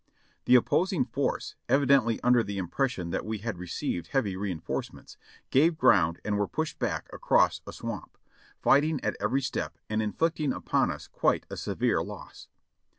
The opposing force, evidently under the impression that we had received heavy reinforcements, gave ground and were pushed back across a swamp, fighting at every step and inflicting upon us quite a severe loss.